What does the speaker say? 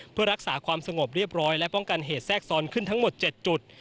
เพื่อรักษาความสงบเรียบร้อยและป้องกันเหตุแทรกซ้อนขึ้นทั้งหมด๗จุด